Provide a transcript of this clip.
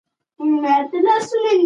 پلار د کاغذونو بنډل کېښود.